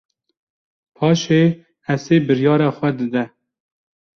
Paşê Esê biryara xwe dide